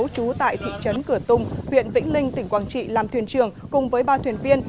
trú tại thị trấn cửa tùng huyện vĩnh linh tỉnh quảng trị làm thuyền trường cùng với ba thuyền viên